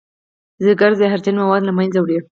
ځیګر زهرجن مواد له منځه وړي